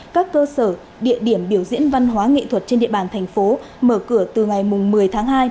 các cơ sở địa điểm biểu diễn văn hóa nghệ thuật trên địa bàn thành phố mở cửa từ ngày một mươi tháng hai